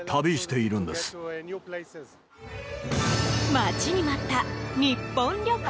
待ちに待った日本旅行！